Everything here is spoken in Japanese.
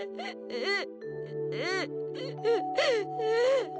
えっ！？